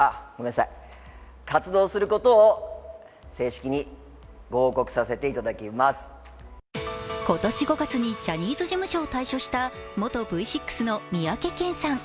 そこに登場したのは今年５月にジャニーズ事務所を退所した元Ｖ６の三宅健さん。